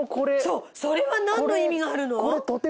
そうそれはなんの意味があるの？